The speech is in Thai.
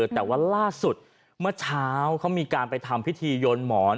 แต่ว่าล่าสุดเมื่อเช้าเขามีการไปทำพิธีโยนหมอน